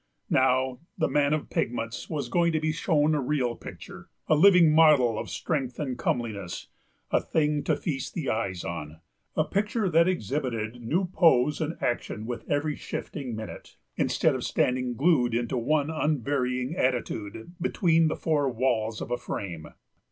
Now, the man of pigments was going to be shown a real picture, a living model of strength and comeliness, a thing to feast the eyes on, a picture that exhibited new pose and action with every shifting minute, instead of standing glued into one unvarying attitude between the four walls of a frame.